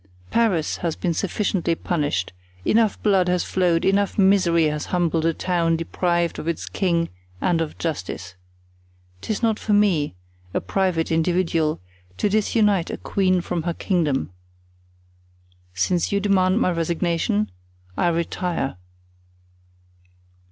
Paris has been sufficiently punished; enough blood has flowed, enough misery has humbled a town deprived of its king and of justice. 'Tis not for me, a private individual, to disunite a queen from her kingdom. Since you demand my resignation, I retire."